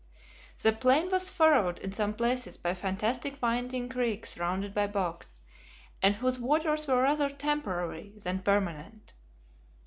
The plain was furrowed in some places by fantastic winding creeks surrounded by box, and whose waters were rather temporary than permanent.